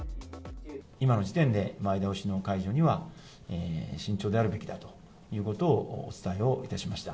今の時点で、前倒しの解除には慎重であるべきだということをお伝えをいたしました。